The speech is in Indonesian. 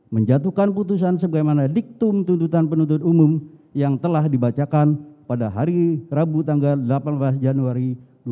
menjatuhkan putusan sebagaimana diktum tuntutan penuntut umum yang telah dibacakan pada hari rabu tanggal delapan belas januari dua ribu dua puluh